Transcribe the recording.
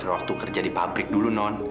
waktu kerja di pabrik dulu non